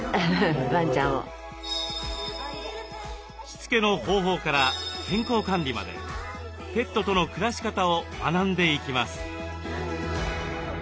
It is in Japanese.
しつけの方法から健康管理までペットとの暮らし方を学んでいきます。